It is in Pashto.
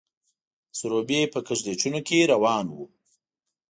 د سروبي په کږلېچونو کې روان وو.